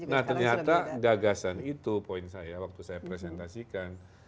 nah ternyata gagasan itu poin saya waktu saya presentasikan